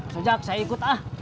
sojak saya ikut ah